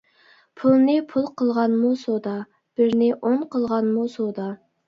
پۇلنى پۇل قىلغانمۇ سودا. بىرنى ئون قىلغانمۇ سودا.